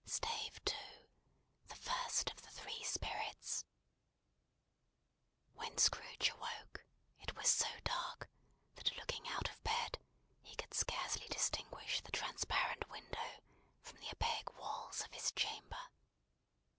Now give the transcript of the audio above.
STAVE II: THE FIRST OF THE THREE SPIRITS WHEN Scrooge awoke, it was so dark, that looking out of bed, he could scarcely distinguish the transparent window from the opaque walls of his chamber.